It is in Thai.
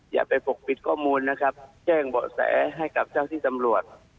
อย่าไปปกปิดข้อมูลนะครับแจ้งเบาะแสให้กับเจ้าที่ตำรวจ